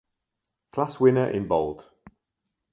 Class winner in bold.